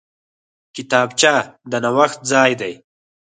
کتابچه د نوښت ځای دی